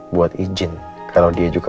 buat izin kalau dia juga